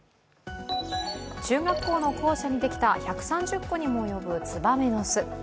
中学校の校舎にできた１３０個にもおよぶつばめの巣。